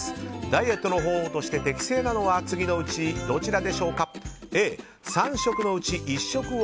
ダイエットの方法として適正なのは次のうちどちらでしょうか。